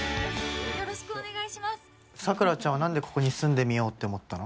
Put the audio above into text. さくらちゃんは何でここに住んでみようと思ったの？